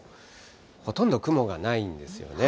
ほとんど雲がないんですよね。